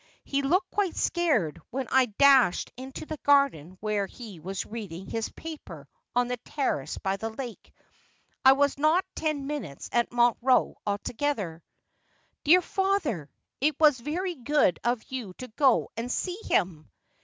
He looked quite scared when I dashed into the garden where he was reading his paper on the terrace by the lake. I was not ten minutes at Montreux altogether.' ' Dear father ! It was very good of you to go and see him.'